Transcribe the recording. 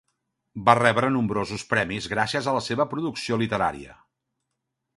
Va rebre nombrosos premis gràcies a la seva producció literària.